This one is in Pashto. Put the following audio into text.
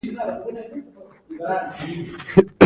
خو د دې ګټې ساتل ورته ستونزمن کار دی